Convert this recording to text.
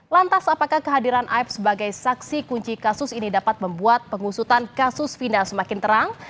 lantas apakah kehadiran aib sebagai saksi kunci kasus ini dapat membuat pengusutan kasus vina semakin terang